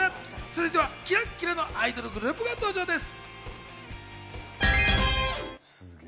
続いてはキラキラのアイドルグループが登場です。